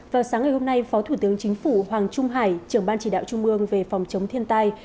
vào sáng ngày hôm nay phó thủ tướng chính phủ hoàng trung hải trưởng ban chỉ đạo trung ương về phòng chống thiên tai